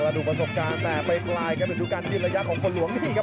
แล้วดูประสบการณ์แต่ไปไกลกันดูการยืนระยะของฝนหลวงนี่ครับ